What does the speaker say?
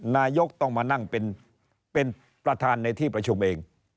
นายกต้องมานั่งเป็นประธานในที่ประชุมเอง